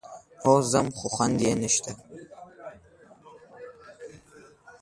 هو ځم، خو خوند يې نشته.